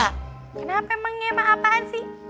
kenapa emang ngema apaan sih